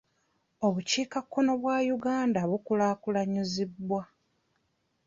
Obukiika kkono bwa Uganda bukulaakulanyiziddwa.